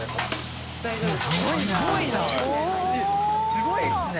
すごいですね。